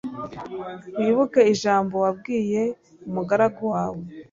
wibuke ijambo wabwiye umugaragu wawe